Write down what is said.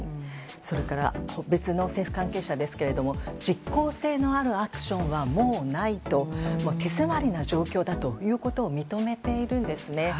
それから、別の政府関係者ですが実効性のあるアクションはもうないと手詰まりな状況だということを認めているんですね。